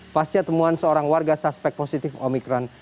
pasca temuan seorang warga suspek positif omikron